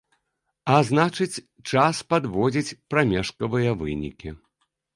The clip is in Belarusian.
А значыць, час падводзіць прамежкавыя вынікі.